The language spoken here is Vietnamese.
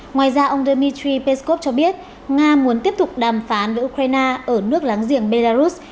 ngoài ra ông dmitry peskov cho biết nga muốn tiếp tục đàm phán với ukraine ở nước láng giềng belarus